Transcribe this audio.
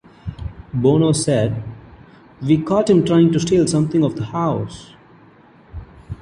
Bono said: We caught him trying to steal something of the house.